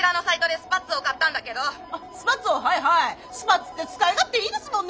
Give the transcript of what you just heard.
スパッツって使い勝手いいですもんね。